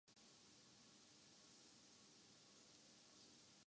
یَہاں ہَر آدمی پرند سے محبت کرنا ہونا ۔